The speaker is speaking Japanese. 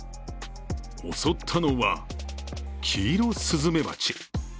襲ったのは、キイロスズメバチ。